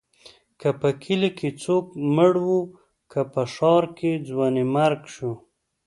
که په کلي کې څوک مړ و، که په ښار کې ځوانيمرګ شو.